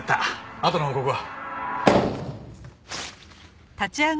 あとの報告は？